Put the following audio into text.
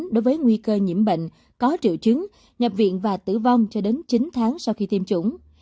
đối với nguy cơ nhiễm bệnh có triệu chứng nhập viện và tử vong cho đến chín tháng sau khi tiêm chủng